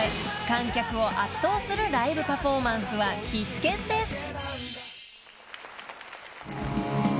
観客を圧倒するライブパフォーマンスは必見です］